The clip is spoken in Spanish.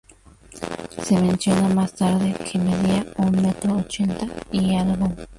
Se menciona más tarde que medía un metro ochenta y algo.